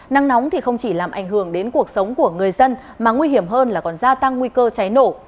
nắng nóng thì không chỉ làm ảnh hưởng đến cuộc sống của người dân mà nguy hiểm hơn là còn gia tăng nguy cơ cháy nổ